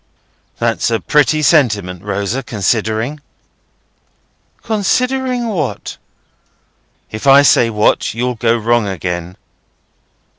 "That's a pretty sentiment, Rosa, considering." "Considering what?" "If I say what, you'll go wrong again."